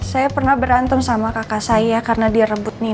saya pernah berantem sama kakak saya karena dia rebut nih